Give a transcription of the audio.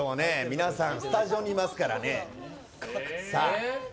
皆さんスタジオにいますからね。